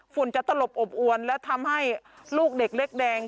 จะตลบอบอวนและทำให้ลูกเด็กเล็กแดง